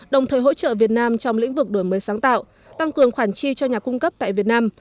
đồng thời hỗ trợ việt nam trong lĩnh vực đổi mới sáng tạo tăng cường khoản chi cho nhà cung cấp tại việt nam